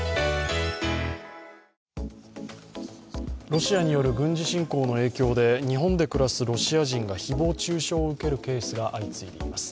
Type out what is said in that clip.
ロシアによる軍事侵攻の影響で日本で暮らすロシア人が誹謗中傷を受けるケースが相次いでいます。